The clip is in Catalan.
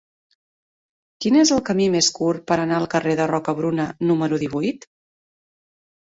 Quin és el camí més curt per anar al carrer de Rocabruna número divuit?